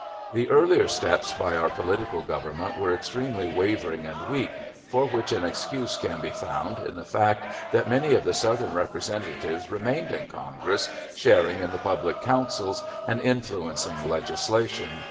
The earlier steps by our political Government were extremely wavering and weak, for which an excuse can be found in the fact that many of the Southern representatives remained in Congress, sharing in the public councils, and influencing legislation.